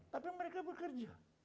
tapi mereka bekerja